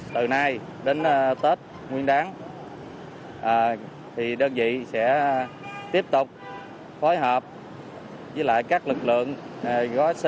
từ nay đến tết nguyên đáng đơn vị sẽ tiếp tục phối hợp với các lực lượng gói c tám